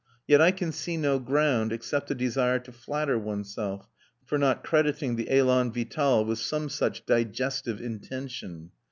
Yet I can see no ground, except a desire to flatter oneself, for not crediting the élan vital with some such digestive intention.